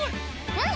うん！